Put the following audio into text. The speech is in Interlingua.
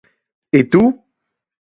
E tu?